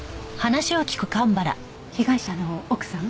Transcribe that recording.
被害者の奥さん？